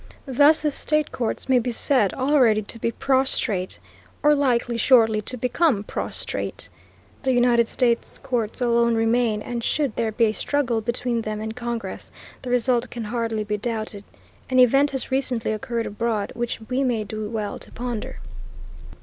Thus the state courts may be said already to be prostrate, or likely shortly to become prostrate. The United States courts alone remain, and, should there be a struggle between them and Congress, the result can hardly be doubted. An event has recently occurred abroad which we may do well to ponder.